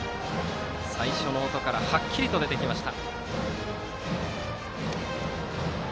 最初の音からはっきりと出てきました。